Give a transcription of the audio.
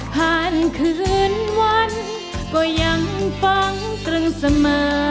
คืนวันก็ยังฟังตรึงเสมอ